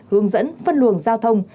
hướng dẫn phân luồng giao thông